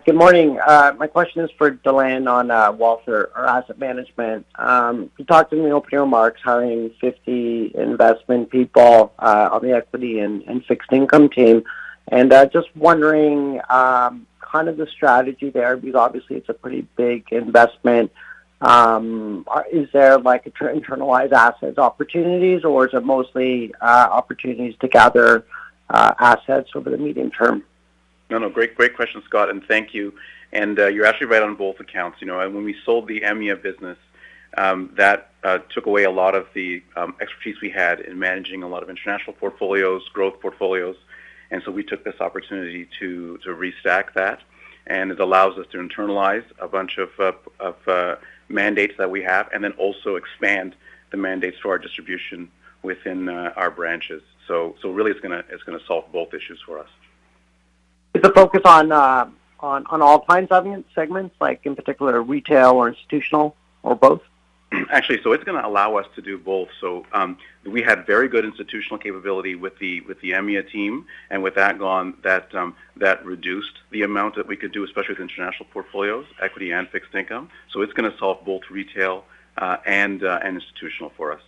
Good morning. My question is for Deland on Wealth or asset management. You talked in the opening remarks, hiring 50 investment people on the equity and fixed income team. Just wondering kind of the strategy there, because obviously it's a pretty big investment. Is there like internalize assets opportunities or is it mostly opportunities to gather assets over the medium term? No, no, great question, Scott, and thank you. You're actually right on both accounts. When we sold the EMEA business, that took away a lot of the expertise we had in managing a lot of international portfolios, growth portfolios. We took this opportunity to restack that. It allows us to internalize a bunch of mandates that we have and then also expand the mandates to our distribution within our branches. Really it's going to solve both issues for us. Is the focus on all kinds of segments, like in particular retail or institutional or both? Actually, it's going to allow us to do both. We had very good institutional capability with the EMEA team. With that gone, that reduced the amount that we could do, especially with international portfolios, equity and fixed income. It's going to solve both retail and institutional for us.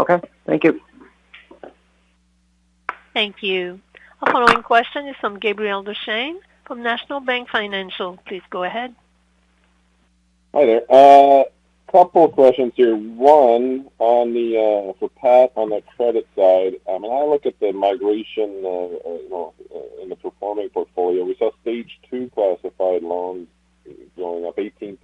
Okay, thank you. Thank you. Our following question is from Gabriel Dechaine from National Bank Financial. Please go ahead. Hi there. A couple of questions here. One, on the for Pat on the credit side, when I look at the migration, you know, in the performing portfolio, we saw stage 2 classified loans going up 18%,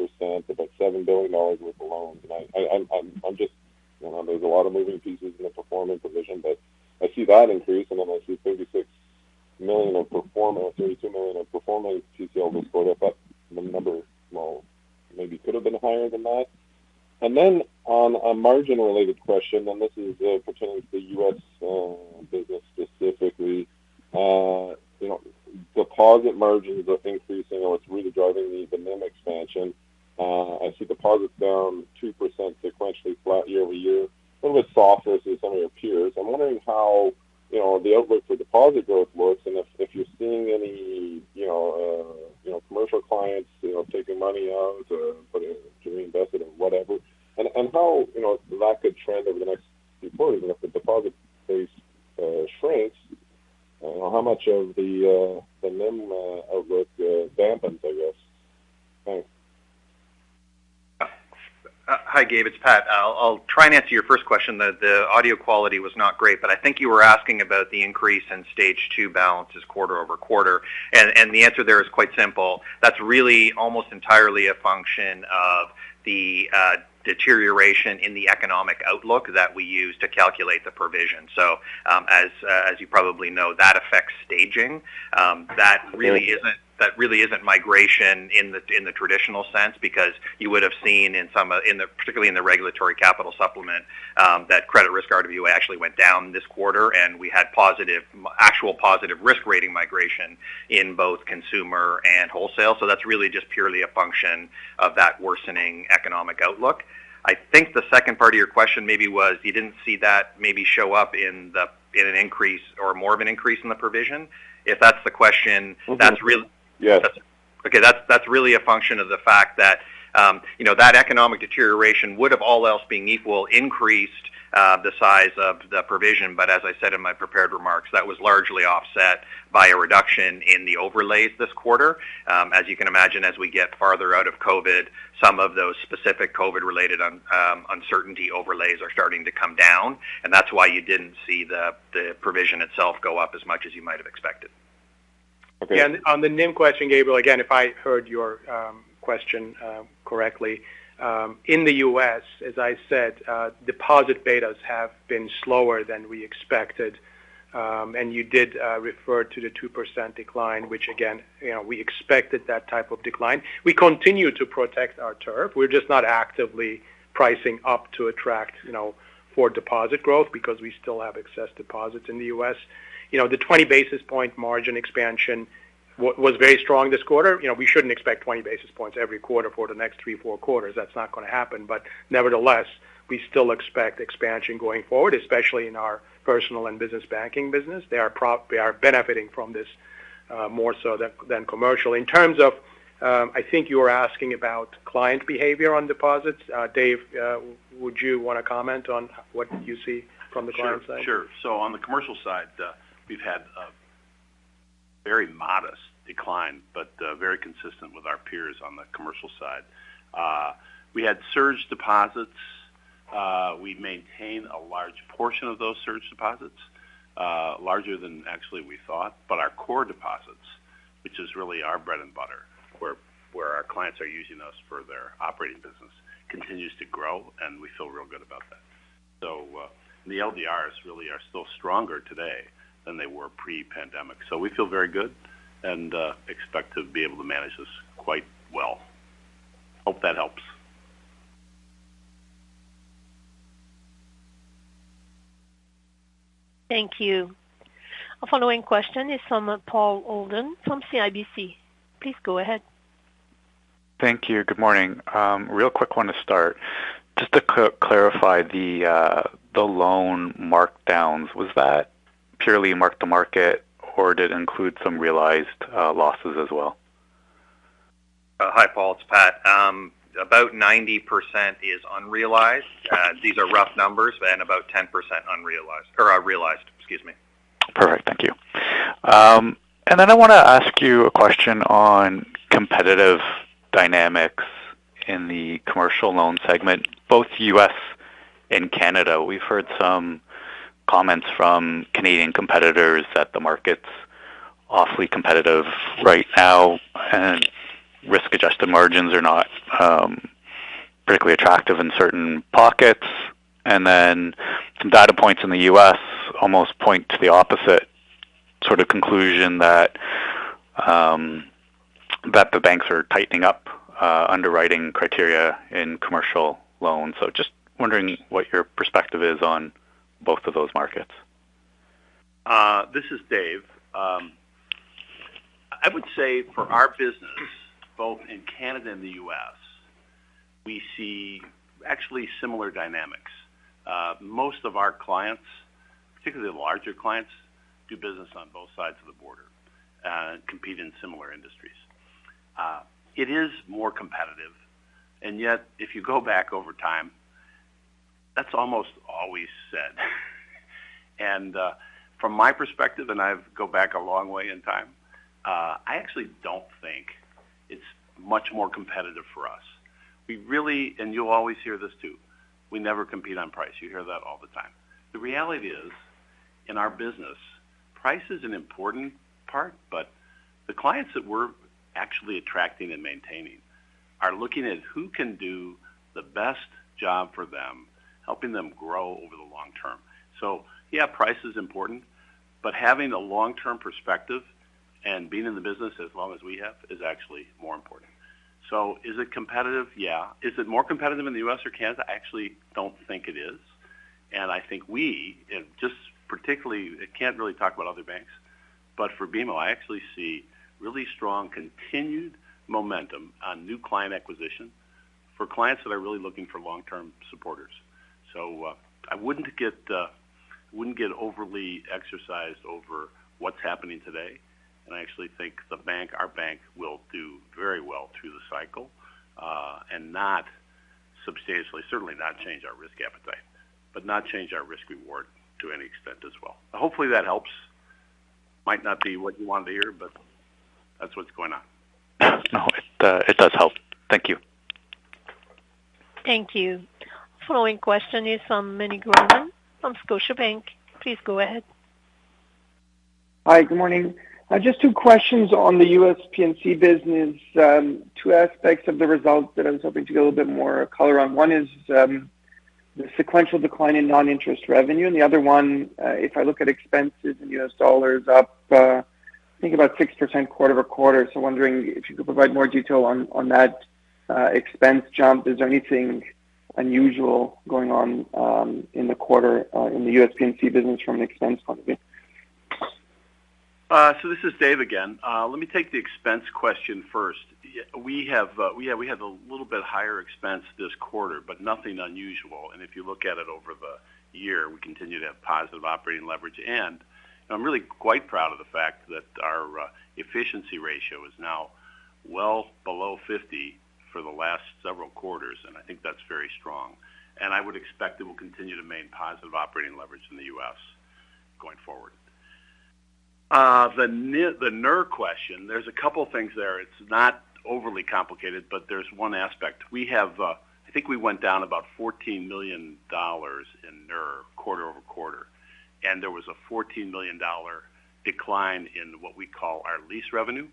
about 7 billion dollars worth of loans. I'm just, you know, there's a lot of moving pieces in the performing division, but I see that increase, and then I see 36 million of performing, 32 million of performing PCL this quarter, but the number maybe could have been higher than that. On a margin-related question, and this is pertaining to the U.S. business specifically, you know, deposit margins are increasing, or it's really driving the NIM expansion. I see deposits down 2% sequentially flat year-over-year. A little softer than some of your peers. I'm wondering how, you know, the outlook for deposit growth looks, and if you're seeing any, you know, commercial clients, you know, taking money out to put it to reinvest it in whatever. How, you know, that could trend over the next few quarters, even if the deposit base shrinks, how much of the NIM outlook dampens, I guess. Thanks. Hi, Gabe, it's Pat. I'll try and answer your first question. The audio quality was not great, but I think you were asking about the increase in stage two balances quarter-over-quarter. The answer there is quite simple. That's really almost entirely a function of the deterioration in the economic outlook that we use to calculate the provision. As you probably know, that affects staging. That really isn't migration in the traditional sense, because you would have seen, particularly in the regulatory capital supplement, that credit risk RWA actually went down this quarter, and we had positive risk rating migration in both consumer and wholesale. That's really just purely a function of that worsening economic outlook. I think the second part of your question maybe was you didn't see that maybe show up in an increase or more of an increase in the provision. If that's the question, that's really, that's really a function of the fact that, you know, that economic deterioration would have all else being equal, increased the size of the provision. As I said in my prepared remarks, that was largely offset by a reduction in the overlays this quarter. As you can imagine, as we get farther out of COVID, some of those specific COVID-related uncertainty overlays are starting to come down, and that's why you didn't see the provision itself go up as much as you might have expected. Okay. On the NIM question, Gabriel, again, if I heard your question correctly, in the U.S., as I said, deposit betas have been slower than we expected. You did refer to the 2% decline, which again, you know, we expected that type of decline. We continue to protect our turf. We're just not actively pricing up to attract, you know, for deposit growth because we still have excess deposits in the U.S. You know, the 20 basis point margin expansion was very strong this quarter. You know, we shouldn't expect 20 basis points every quarter for the next 3, 4 quarters. That's not going to happen. Nevertheless, we still expect expansion going forward, especially in our personal and business banking business. They are benefiting from this. More so than commercial. In terms of, I think you were asking about client behavior on deposits. Dave, would you want to comment on what you see from the client side? Sure, sure. On the commercial side, we've had a very modest decline, but very consistent with our peers on the commercial side. We had surge deposits. We maintain a large portion of those surge deposits, larger than actually we thought. Our core deposits, which is really our bread and butter, where our clients are using us for their operating business, continues to grow, and we feel real good about that. The LDRs really are still stronger today than they were pre-pandemic. We feel very good and expect to be able to manage this quite well. Hope that helps. Thank you. Our following question is from Paul Holden from CIBC. Please go ahead. Thank you. Good morning. Real quick one to start. Just to clarify the loan markdowns, was that purely mark to market or did it include some realized losses as well? Hi, Paul. It's Pat. About 90% is unrealized. These are rough numbers, and about 10% unrealized or realized. Excuse me. Perfect. Thank you. I wanna ask you a question on competitive dynamics in the commercial loan segment, both U.S. and Canada. We've heard some comments from Canadian competitors that the market's awfully competitive right now, and risk-adjusted margins are not particularly attractive in certain pockets. Some data points in the U.S. almost point to the opposite sort of conclusion that the banks are tightening up underwriting criteria in commercial loans. Just wondering what your perspective is on both of those markets. This is Dave. I would say for our business, both in Canada and the U.S., we see actually similar dynamics. Most of our clients, particularly the larger clients, do business on both sides of the border, compete in similar industries. It is more competitive, and yet if you go back over time, that's almost always said. From my perspective, and I go back a long way in time, I actually don't think it's much more competitive for us. We really, and you'll always hear this too, we never compete on price. You hear that all the time. The reality is, in our business, price is an important part, but the clients that we're actually attracting and maintaining are looking at who can do the best job for them, helping them grow over the long term. Yeah, price is important, but having a long-term perspective and being in the business as long as we have is actually more important. Is it competitive? Yeah. Is it more competitive in the U.S. or Canada? I actually don't think it is. I think we, just particularly, I can't really talk about other banks, but for BMO, I actually see really strong continued momentum on new client acquisition for clients that are really looking for long-term supporters. I wouldn't get overly exercised over what's happening today. I actually think the bank, our bank, will do very well through the cycle, and not substantially, certainly not change our risk appetite, but not change our risk reward to any extent as well. Hopefully, that helps. Might not be what you wanted to hear, but that's what's going on. No, it does help. Thank you. Thank you. Following question is from Meny Grauman from Scotiabank. Please go ahead. Hi. Good morning. Just two questions on the U.S. P&C business. Two aspects of the results that I was hoping to get a little bit more color on. One is the sequential decline in non-interest revenue, and the other one, if I look at expenses in U.S. dollars up, I think about 6% quarter-over-quarter. Wondering if you could provide more detail on that expense jump. Is there anything unusual going on in the quarter in the U.S. P&C business from an expense point of view? This is Dave again. Let me take the expense question first. We have a little bit higher expense this quarter, but nothing unusual. If you look at it over the year, we continue to have positive operating leverage. I'm really quite proud of the fact that our efficiency ratio is now well below 50% for the last several quarters, and I think that's very strong. I would expect it will continue to remain positive operating leverage in the U.S. going forward. The NIR, the NIR question, there's a couple of things there. It's not overly complicated, but there's one aspect. I think we went down about 14 million dollars in NIR quarter-over-quarter, and there was a 14 million dollar decline in what we call our lease revenue.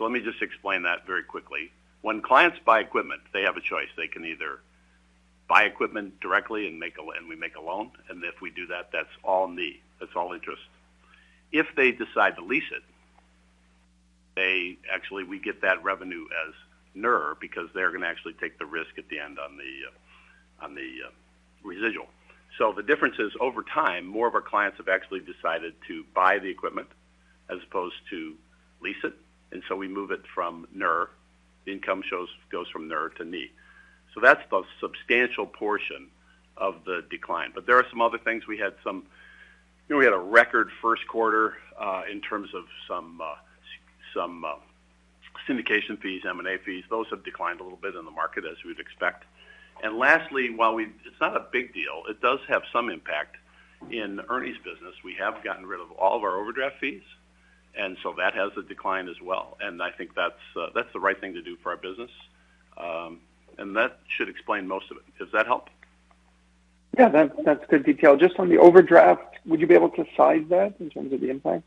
Let me just explain that very quickly. When clients buy equipment, they have a choice. They can either buy equipment directly and we make a loan, and if we do that's all NII, that's all interest. If they decide to lease it, they actually, we get that revenue as NIR because they're going to actually take the risk at the end on the residual. The difference is over time, more of our clients have actually decided to buy the equipment as opposed to lease it, and so we move it from NIR. The income so goes from NIR to NII. That's the substantial portion of the decline. There are some other things. We had a record first quarter in terms of some syndication fees, M&A fees. Those have declined a little bit in the market as we'd expect. Lastly, it's not a big deal, it does have some impact. In Ernie's business, we have gotten rid of all of our overdraft fees, and so that has a decline as well. I think that's the right thing to do for our business. That should explain most of it. Does that help? Yeah, that's good detail. Just on the overdraft, would you be able to size that in terms of the impact?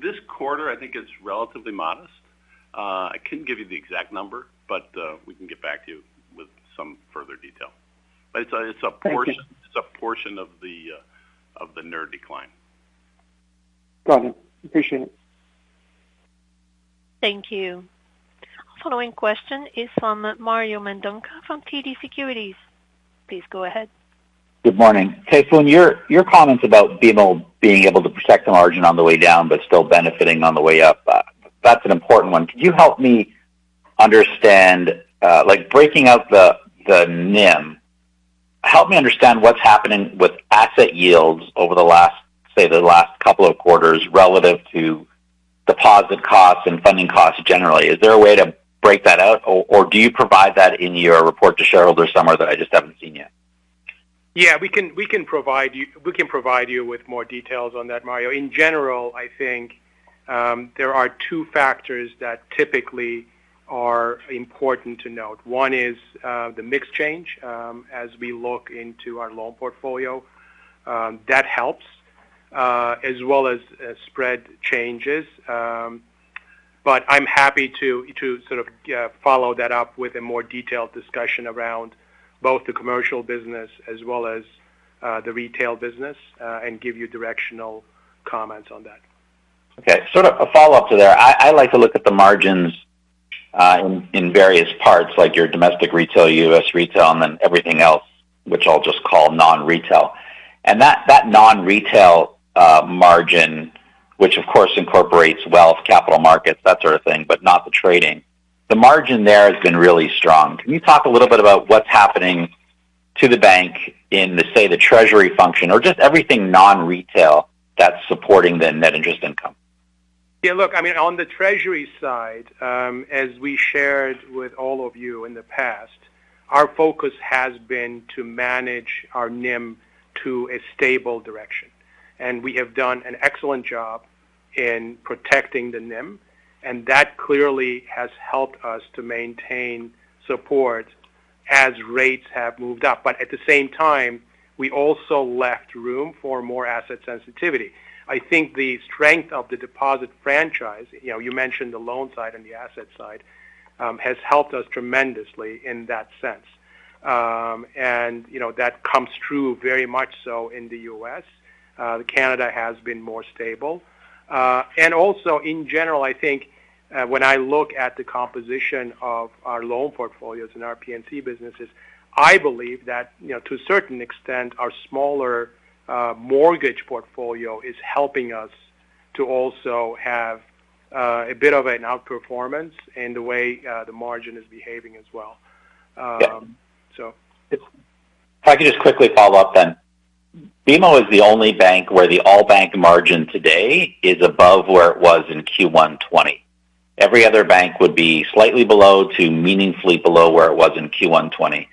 This quarter, I think it's relatively modest. I couldn't give you the exact number, but we can get back to you with some further detail. It's a portion. Thank you. It's a portion of the NIR decline. Got it. Appreciate it. Thank you. Following question is from Mario Mendonca from TD Securities. Please go ahead. Good morning. Tayfun, your comments about being able to protect the margin on the way down but still benefiting on the way up, that's an important one. Could you help me understand, like breaking out the NIM, help me understand what's happening with asset yields over the last, say, the last couple of quarters relative to deposit costs and funding costs generally. Is there a way to break that out, or do you provide that in your report to shareholders somewhere that I just haven't seen yet? Yeah, we can provide you with more details on that, Mario. In general, I think there are two factors that typically are important to note. One is the mix change as we look into our loan portfolio. That helps as well as spread changes. I'm happy to sort of follow that up with a more detailed discussion around both the commercial business as well as the retail business and give you directional comments on that. Okay. Sort of a follow-up to there. I like to look at the margins in various parts, like your domestic retail, U.S. retail, and then everything else, which I'll just call non-retail. That non-retail margin, which of course incorporates wealth, capital markets, that sort of thing, but not the trading. The margin there has been really strong. Can you talk a little bit about what's happening to the bank in, say, the treasury function or just everything non-retail that's supporting the net interest income? Yeah, look, I mean, on the treasury side, as we shared with all of you in the past, our focus has been to manage our NIM to a stable direction. We have done an excellent job in protecting the NIM, and that clearly has helped us to maintain support as rates have moved up. At the same time, we also left room for more asset sensitivity. I think the strength of the deposit franchise, you know, you mentioned the loan side and the asset side, has helped us tremendously in that sense. You know, that comes through very much so in the U.S., Canada has been more stable. Also in general, I think when I look at the composition of our loan portfolios in our P&C businesses, I believe that, you know, to a certain extent, our smaller mortgage portfolio is helping us to also have a bit of an outperformance in the way the margin is behaving as well. So. If I could just quickly follow up then. BMO is the only bank where the all bank margin today is above where it was in Q1 2020. Every other bank would be slightly below to meaningfully below where it was in Q1 2020.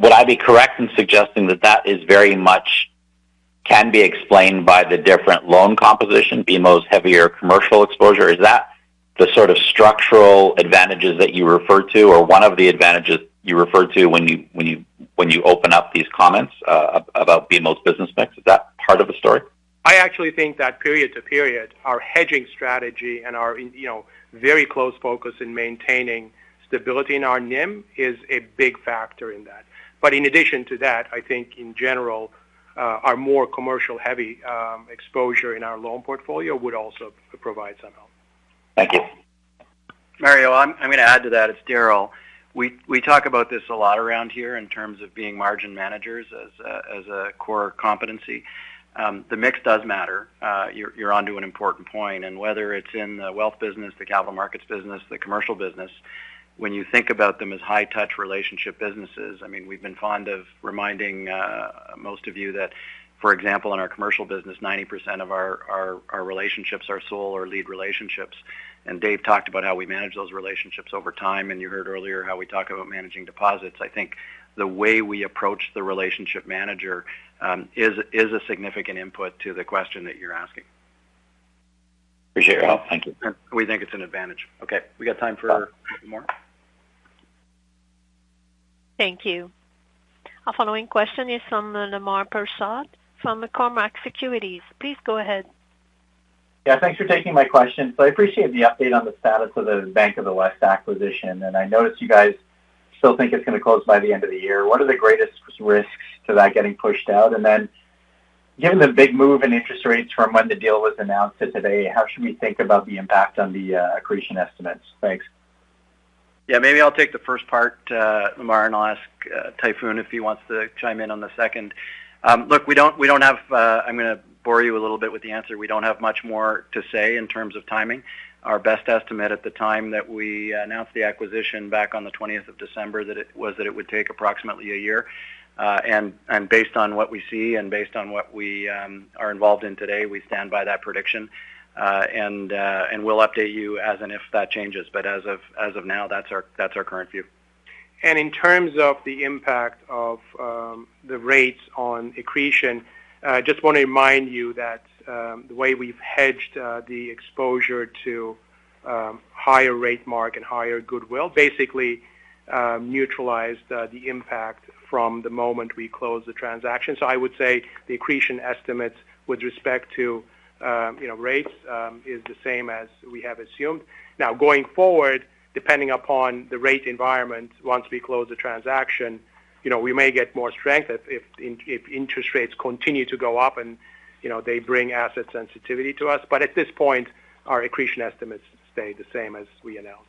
Would I be correct in suggesting that that is very much can be explained by the different loan composition, BMO's heavier commercial exposure? Is that the sort of structural advantages that you refer to, or one of the advantages you refer to when you open up these comments about BMO's business mix? Is that part of the story? I actually think that period to period, our hedging strategy and our, you know, very close focus in maintaining stability in our NIM is a big factor in that. But in addition to that, I think in general, our more commercial heavy exposure in our loan portfolio would also provide some help. Thank you. Mario, I'm going to add to that, it's Darryl. We talk about this a lot around here in terms of being margin managers as a core competency. The mix does matter. You're onto an important point. Whether it's in the wealth business, the capital markets business, the commercial business, when you think about them as high touch relationship businesses, I mean, we've been fond of reminding most of you that, for example, in our commercial business, 90% of our relationships are sole or lead relationships. Dave talked about how we manage those relationships over time, and you heard earlier how we talk about managing deposits. I think the way we approach the relationship manager is a significant input to the question that you're asking. Appreciate your help. Thank you. We think it's an advantage. Okay. We got time for a few more. Thank you. Our following question is from Lemar Persaud from Cormark Securities. Please go ahead. Yeah, thanks for taking my question. I appreciate the update on the status of the Bank of the West acquisition, and I noticed you guys still think it's going to close by the end of the year. What are the greatest risks to that getting pushed out? And then given the big move in interest rates from when the deal was announced to today, how should we think about the impact on the accretion estimates? Thanks. Yeah, maybe I'll take the first part, Lemar, and I'll ask Tayfun if he wants to chime in on the second. Look, we don't have. I'm gonna bore you a little bit with the answer. We don't have much more to say in terms of timing. Our best estimate at the time that we announced the acquisition back on the 20th of December was that it would take approximately a year. Based on what we see and based on what we are involved in today, we stand by that prediction. We'll update you as and if that changes. As of now, that's our current view. In terms of the impact of the rates on accretion, I just wanna remind you that the way we've hedged the exposure to higher rate mark and higher goodwill basically neutralized the impact from the moment we closed the transaction. I would say the accretion estimates with respect to you know rates is the same as we have assumed. Now going forward, depending upon the rate environment once we close the transaction, you know, we may get more strength if interest rates continue to go up and you know they bring asset sensitivity to us. At this point, our accretion estimates stay the same as we announced.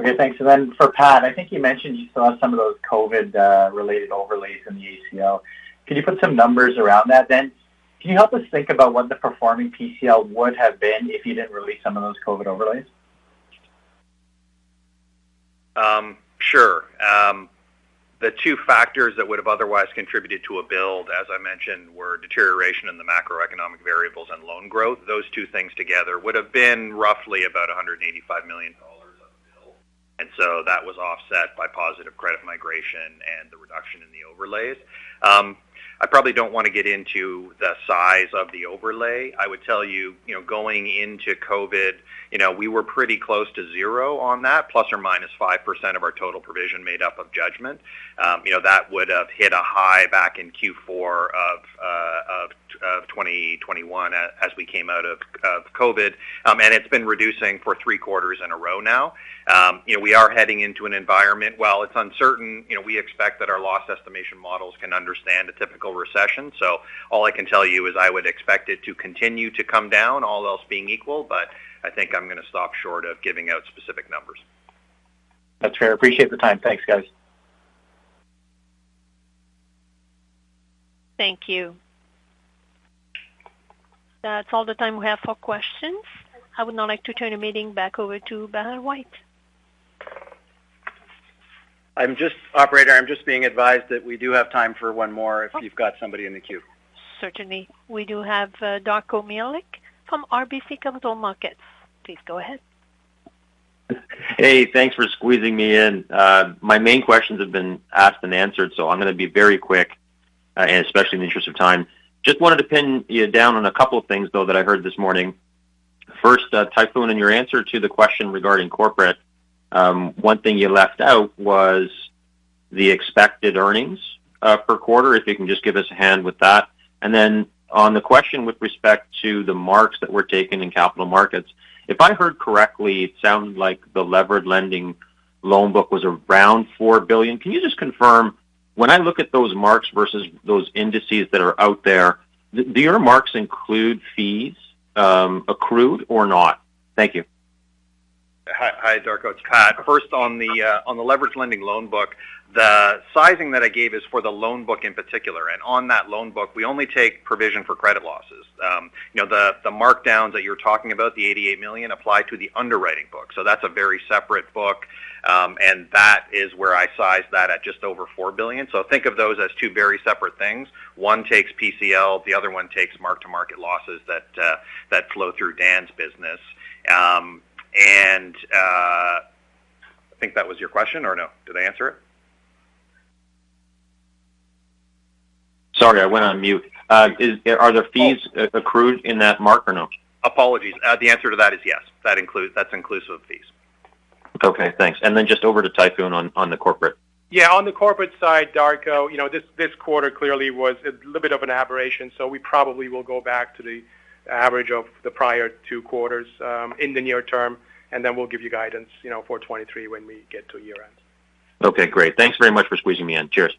Okay, thanks. For Pat, I think you mentioned you saw some of those COVID related overlays in the ACL. Can you put some numbers around that then? Can you help us think about what the performing PCL would have been if you didn't release some of those COVID overlays? Sure. The two factors that would have otherwise contributed to a build, as I mentioned, were deterioration in the macroeconomic variables and loan growth. Those two things together would have been roughly about 185 million dollars of build. That was offset by positive credit migration and the reduction in the overlays. I probably don't wanna get into the size of the overlay. I would tell you know, going into COVID, you know, we were pretty close to zero on that, ±5% of our total provision made up of judgment. You know, that would have hit a high back in Q4 of 2021 as we came out of COVID. It's been reducing for three quarters in a row now. You know, we are heading into an environment. While it's uncertain, you know, we expect that our loss estimation models can understand a typical recession. All I can tell you is I would expect it to continue to come down, all else being equal, but I think I'm gonna stop short of giving out specific numbers. That's fair. Appreciate the time. Thanks, guys. Thank you. That's all the time we have for questions. I would now like to turn the meeting back over to Darryl White. Operator, I'm just being advised that we do have time for one more if you've got somebody in the queue. Certainly. We do have Darko Mihelic from RBC Capital Markets. Please go ahead. Hey, thanks for squeezing me in. My main questions have been asked and answered, so I'm gonna be very quick, and especially in the interest of time. Just wanted to pin you down on a couple of things, though, that I heard this morning. First, Tayfun, in your answer to the question regarding corporate, one thing you left out was the expected earnings per quarter. If you can just give us a hand with that. Then on the question with respect to the marks that were taken in capital markets, if I heard correctly, it sounds like the levered lending loan book was around 4 billion. Can you just confirm when I look at those marks versus those indices that are out there, do your marks include fees accrued or not? Thank you. Hi, Darko. It's Pat. First on the leveraged lending loan book, the sizing that I gave is for the loan book in particular. On that loan book, we only take provision for credit losses. You know, the markdowns that you're talking about, the 88 million, apply to the underwriting book. That's a very separate book, and that is where I size that at just over 4 billion. Think of those as two very separate things. One takes PCL, the other one takes mark-to-market losses that flow through Dan's business. I think that was your question or no? Did I answer it? Sorry, I went on mute. Are there fees accrued in that mark or no? Apologies. The answer to that is yes. That's inclusive of fees. Okay, thanks. Just over to Tayfun on the corporate. Yeah, on the corporate side, Darko, you know, this quarter clearly was a little bit of an aberration, so we probably will go back to the average of the prior two quarters in the near term, and then we'll give you guidance, you know, for 2023 when we get to year-end. Okay, great. Thanks very much for squeezing me in. Cheers.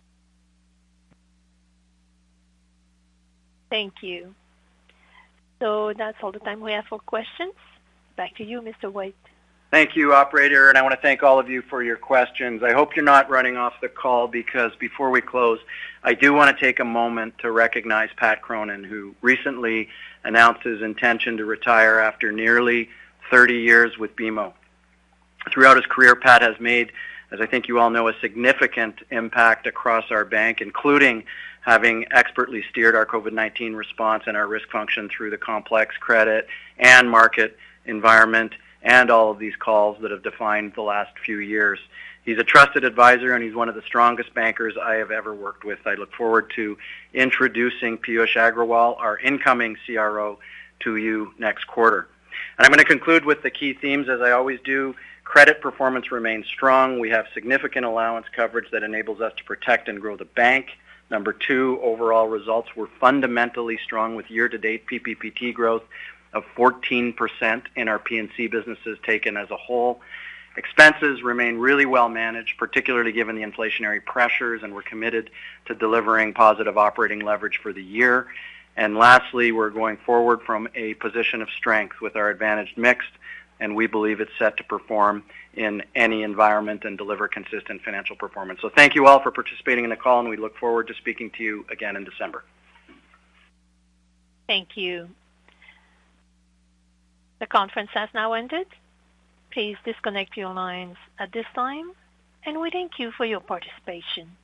Thank you. That's all the time we have for questions. Back to you, Mr. White. Thank you, operator. I want to thank all of you for your questions. I hope you're not running off the call because before we close, I do want to take a moment to recognize Pat Cronin, who recently announced his intention to retire after nearly 30 years with BMO. Throughout his career, Pat has made, as I think you all know, a significant impact across our bank, including having expertly steered our COVID-19 response and our risk function through the complex credit and market environment and all of these calls that have defined the last few years. He's a trusted advisor, and he's one of the strongest bankers I have ever worked with. I look forward to introducing Piyush Agrawal, our incoming CRO, to you next quarter. I'm going to conclude with the key themes as I always do. Credit performance remains strong. We have significant allowance coverage that enables us to protect and grow the bank. Number two, overall results were fundamentally strong with year-to-date PPPT growth of 14% in our P&C businesses taken as a whole. Expenses remain really well managed, particularly given the inflationary pressures, and we're committed to delivering positive operating leverage for the year. Lastly, we're going forward from a position of strength with our advantaged mix, and we believe it's set to perform in any environment and deliver consistent financial performance. Thank you all for participating in the call, and we look forward to speaking to you again in December. Thank you. The conference has now ended. Please disconnect your lines at this time, and we thank you for your participation.